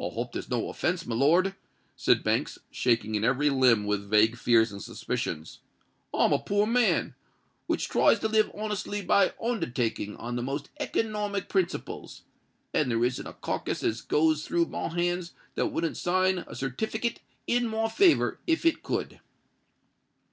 "I hope there's no offence, my lord," said Banks, shaking in every limb with vague fears and suspicions. "I'm a poor man, which tries to live honestly by undertaking on the most economic principles; and there isn't a carkiss as goes through my hands that wouldn't sign a certifikit in my favour if it could."